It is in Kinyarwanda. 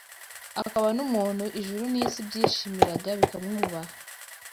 akaba n’umuntu ijuru n’isi byishimiraga bikamwubaha